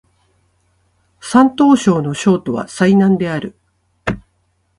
山東省の省都は済南である